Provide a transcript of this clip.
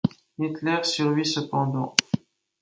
Hitler survit cependant.